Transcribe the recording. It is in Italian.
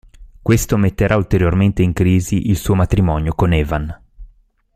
Questo metterà ulteriormente in crisi il suo matrimonio con Evan.